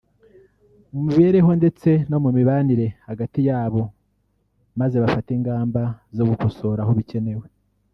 mu mibereho ndetse no mu mibanire hagati yabo maze bafate ingamba zo gukosora aho bikenewe